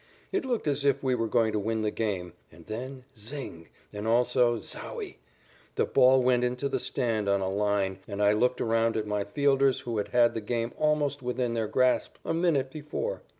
It looked as if we were going to win the game, and then zing! And also zowie! The ball went into the stand on a line and I looked around at my fielders who had had the game almost within their grasp a minute before.